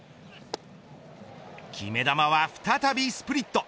決め球は再びスプリット。